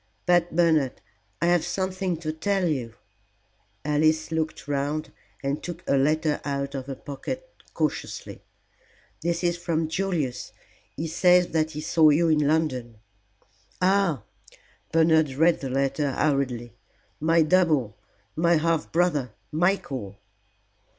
But, Bernard, I have something to tell you." Alice looked round and took a letter out of her pocket cautiously. "This is from Julius. He says that he saw you in London." "Ah!" Bernard read the letter hurriedly. "My double my half brother, Michael."